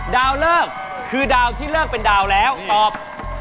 เลิกคือดาวที่เลิกเป็นดาวแล้วตอบ